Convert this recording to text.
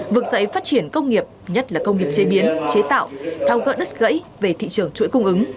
vực dậy phát triển công nghiệp nhất là công nghiệp chế biến chế tạo thao gỡ đất gãy về thị trường chuỗi cung ứng